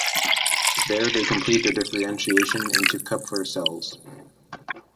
There they complete their differentiation into Kupffer cells.